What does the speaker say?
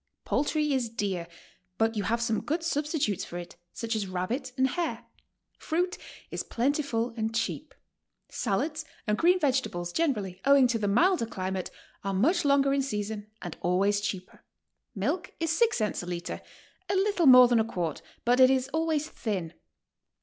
Poultry is dear, but you have some good substitutes for it, such as rabbit and hare. Fruit is plentiful and cheap. Salads and green vegetables generally, owing to the milder climate, are much longer in season and always cheaper. Milk is six cents a litre, — a little more than a quart, but it is always thin.